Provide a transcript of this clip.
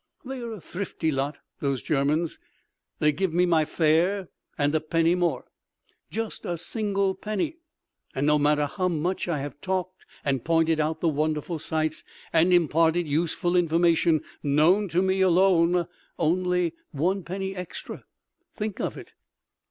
They are a thrifty lot—those Germans—they give me my fare and a penny more, just a single penny, and no matter how much I have talked and pointed out the wonderful sights, and imparted useful information, known to me alone—only one penny extra—think of it!